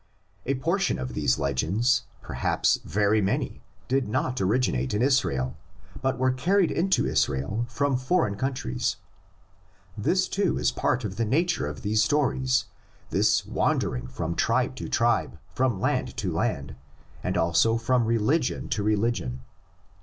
A portion of these legends, perhaps very many, did not originate in Israel, but were carried into Israel from foreign countries. This too is part of the nature of these stories, this wandering from tribe to tribe, from land to land, and also from religion 88 THE LEGENDS IN ORAL TRADITION. 89 to religion.